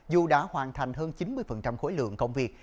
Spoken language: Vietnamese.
dù đã hoàn thành hơn chín mươi khối lượng công việc